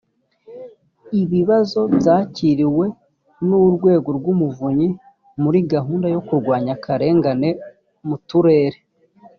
ibibazo byakiriwe n’urwego rw’umuvunyi muri gahunda yo kurwanya akarengane mu turere